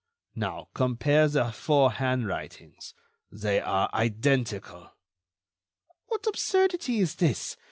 Now, compare the four handwritings. They are identical." "What absurdity is this?